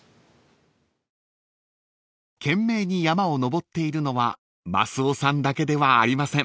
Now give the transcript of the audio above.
［懸命に山を登っているのはマスオさんだけではありません］